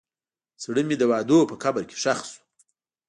زړه مې د وعدو په قبر کې ښخ شو.